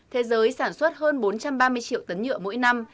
thế giới sản xuất hơn bốn trăm ba mươi triệu tấn nhựa mỗi năm